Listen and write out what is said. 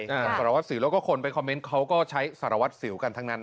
สารวัสสิวแล้วก็คนไปคอมเมนต์เขาก็ใช้สารวัตรสิวกันทั้งนั้น